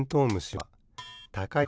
はい！